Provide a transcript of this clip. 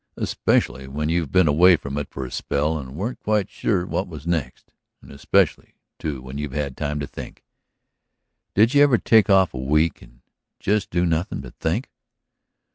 "Especially when you've been away from it for a spell and weren't quite sure what was next. And especially, too, when you've had time to think. Did you ever take off a week and just do nothing but think?"